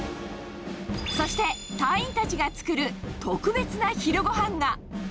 そして隊員たちが作る特別な昼ごはんが。